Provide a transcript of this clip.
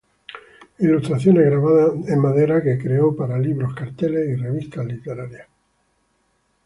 Ilustraciones grabadas en madera que creó para libros, carteles, y revistas literarias.